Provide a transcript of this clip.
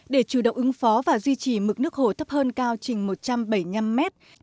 để chủ động ứng phó và duy trì mực nước hồ thấp hơn cao trình một trăm bảy mươi năm mét